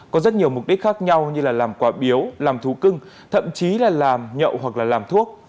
có rất nhiều mục đích khác nhau như là làm quả biếu làm thú cưng thậm chí là làm nhậu hoặc là làm thuốc